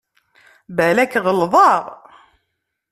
Balak ɣelḍeɣ.